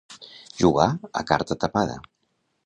Jugar a carta tapada.